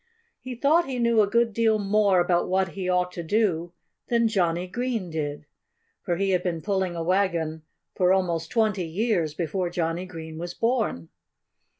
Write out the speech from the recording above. He thought he knew a good deal more about what he ought to do than Johnnie Green did, for he had been pulling a wagon for almost twenty years before Johnnie Green was born.